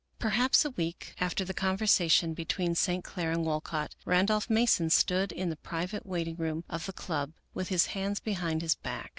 II Perhaps a week after the conversation between St. Clair and Walcott, Randolph Mason stood in the private waiting room of the club with his hands behind his back.